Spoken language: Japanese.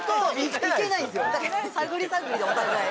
だから探り探りでお互い。